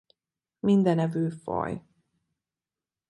Mindenevő faj.